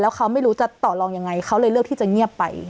เขาไม่รู้จะต่อลองยังไงเขาเลยเลือกที่จะเงียบไป